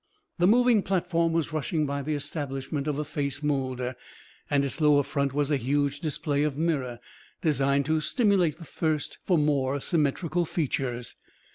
The moving platform was rushing by the establishment of a face moulder, and its lower front was a huge display of mirror, designed to stimulate the thirst for more symmetrical features.